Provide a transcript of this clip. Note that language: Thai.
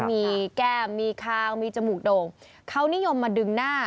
มีแก้มมีคางมีจมูกโด่งเขานิยมมาดึงหน้า